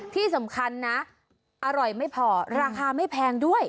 ที่สำคัญนะอร่อยไม่พอราคาไม่แพงด้วย